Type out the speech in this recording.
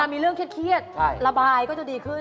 มีเรื่องเครียดระบายก็จะดีขึ้น